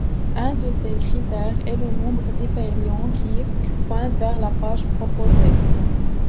Un de ces critères est le nombre d'hyperliens qui pointent vers la page proposée.